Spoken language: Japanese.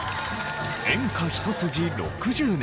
演歌一筋６０年。